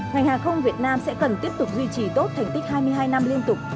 ngành hàng không việt nam sẽ cần tiếp tục duy trì tốt thành tích hai mươi hai năm liên tục